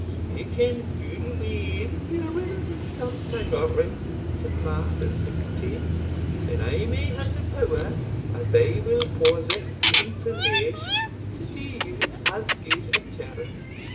Ye ken fu' weel ye will be some time resident in my vicinity, when I may have the power, as I will possess the inclination, to do you as good a turn."